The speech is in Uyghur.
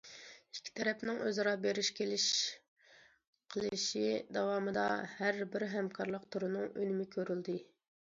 ئىككى تەرەپنىڭ ئۆزئارا بېرىش- كېلىش قىلىشى داۋامىدا ھەربىر ھەمكارلىق تۈرىنىڭ ئۈنۈمى كۆرۈلدى.